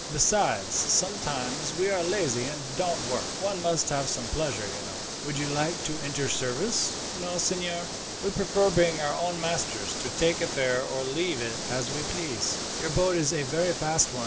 Besides, sometimes we are lazy and don't work. One must have some pleasure, you know." "Would you like to enter service?" "No, signor. We prefer being our own masters; to take a fare or leave it as we please." "Your boat is a very fast one.